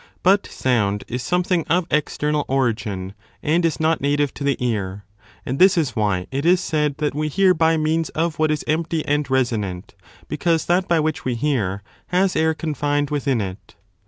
But sound is something of external origin and is not native to the ear. And this is why it is said that we hear by means of what is empty and resonant, because that by which we hear has air confined within it.